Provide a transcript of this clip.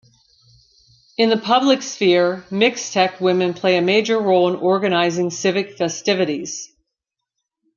In the public sphere, Mixtec women play a major role in organizing civic festivities.